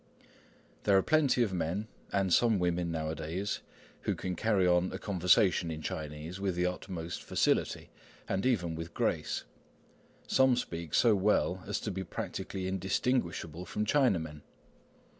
There are plenty of men, and some women, nowadays, who can carry on a conversation in Chinese with the utmost facility, and even with grace. Some speak so well as to be practically indistinguishable from Chinamen.